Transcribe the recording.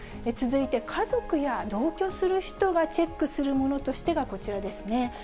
続いて家族や同居する人がチェックするものとしてはこちらですね。